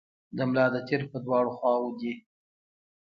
د ملا د تیر په دواړو خواوو دي.